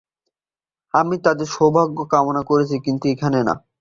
আমি তাদের সৌভাগ্য কামনা করছি, কিন্তু এখানে না...